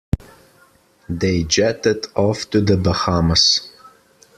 They jetted off to the Bahamas.